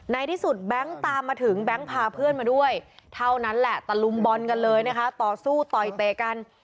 ในที่สุดแบงค์ตามมาถึงแบงค์พาเพื่อนมาด้วยเท่านั้นแหละตะลุมบอลกันเลยนะคะต่อสู้ต่อยเตะกัน